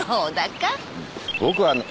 僕はね。